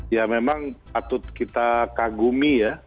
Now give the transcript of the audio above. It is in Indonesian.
ya memang patut kita kagumi ya